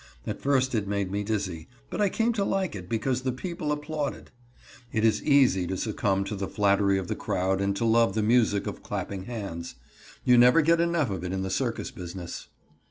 At first it made me dizzy, but I came to like it because the people applauded. It is easy to succumb to the flattery of the crowd and to love the music of clapping hands. You never get enough of it in the circus business.